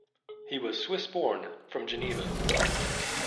He was Swiss-born, from Geneva.